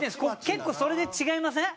結構それで違いません？